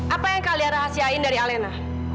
apa yang kalian rahasiain dari alena